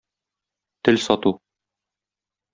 Тел сату.